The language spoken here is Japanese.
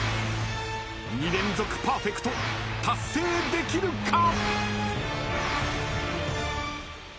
［２連続パーフェクト達成できるか？］